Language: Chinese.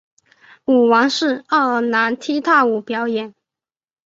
舞王是爱尔兰踢踏舞表演。